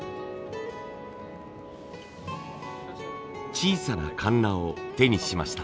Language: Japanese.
小さなカンナを手にしました。